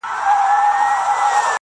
له څه مودې راهيسي داسـي يـمـه;